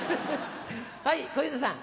はい小遊三さん。